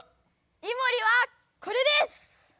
イモリはこれです！